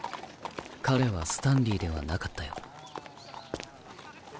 彼はスタンリーではなかったよ。